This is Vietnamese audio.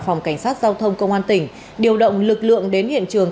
phòng cảnh sát giao thông công an tỉnh điều động lực lượng đến hiện trường